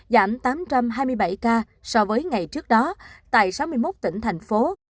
giảm tám trăm hai mươi bảy ca so với ngày trước đó tại sáu mươi một tỉnh thành phố